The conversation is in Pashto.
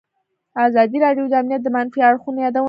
ازادي راډیو د امنیت د منفي اړخونو یادونه کړې.